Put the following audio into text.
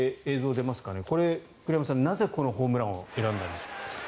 栗山さん、なぜこのホームランを選んだんでしょうか。